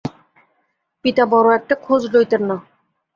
পিতা বড়ো একটা খোঁজ লইতেন না।